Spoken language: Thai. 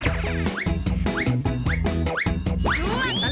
ชั่วตลอดตลาด